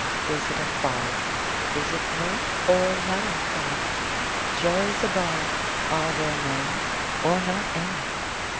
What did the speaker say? Is it a folly, Is it mirth, or melancholy? Joys above, Are there many, or not any?